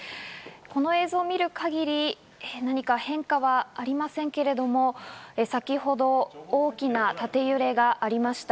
この映像を見る限り、何か変化はありませんけれど、先ほど大きな縦揺れがありました。